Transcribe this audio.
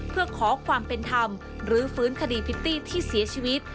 เพื่อขอความเป็นธรรมหรือฟื้นคดีพิตตี้ที่เสียชีวิต